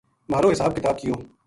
مھارو حساب کتاب کیو